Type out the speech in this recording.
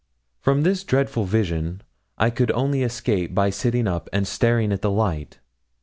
From this dreadful vision I could only escape by sitting up and staring at the light.